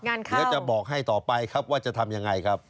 เดี๋ยวจะบอกให้ต่อไปครับว่าจะทำยังไงครับ